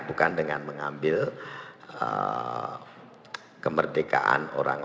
bukan dengan mengambil kemerdekaan orang